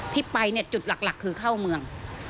ที่ไปเนี่ยจุดหลักคือเข้าเมือง